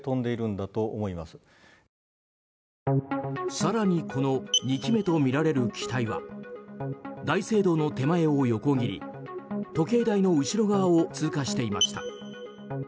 更にこの２機目とみられる機体は大聖堂の手前を横切り時計台の後ろ側を通過していました。